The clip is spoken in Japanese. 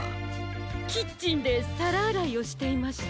キッチンでさらあらいをしていました。